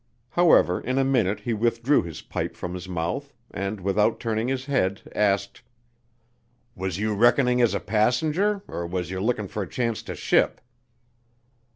However, in a minute he withdrew his pipe from his mouth, and, without turning his head, asked, "Was you reckoning as a passenger or was yer lookin' for a chance to ship?"